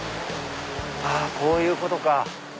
こういうことか。